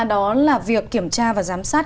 đó là việc kiểm tra và giám sát